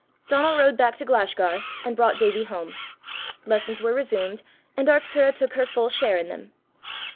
Donal rode back to Glashgar, and brought Davie home. Lessons were resumed, and Arctura took her full share in them.